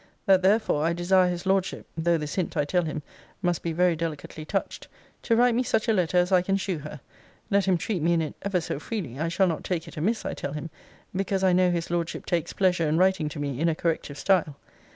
That therefore I desire his Lordship (though this hint, I tell him, must be very delicately touched) to write me such a letter as I can shew her; (let him treat me in it ever so freely, I shall not take it amiss, I tell him, because I know his Lordship takes pleasure in writing to me in a corrective style).